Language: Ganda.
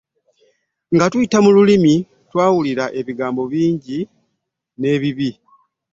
Nga tuyita mu lulimi, twawula ebigambo ebirungi n'ebibi.